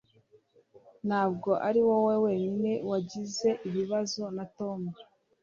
Ntabwo ari wowe wenyine wagize ibibazo na Tom.